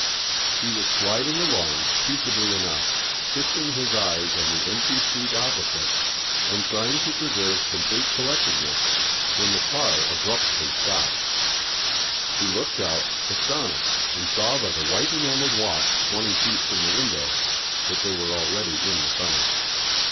He was sliding along peaceably enough, fixing his eyes on the empty seat opposite, and trying to preserve complete collectedness when the car abruptly stopped. He looked out, astonished, and saw by the white enamelled walks twenty feet from the window that they were already in the tunnel.